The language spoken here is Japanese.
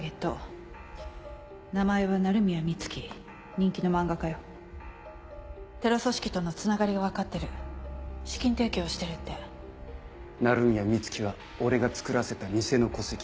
人気の漫画家よテロ組織とのつながりが分かってる資金提供してるって鳴宮美月は俺がつくらせた偽の戸籍。